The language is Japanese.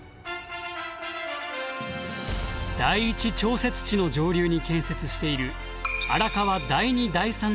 第一調節池の上流に建設している荒川第二・第三調節池。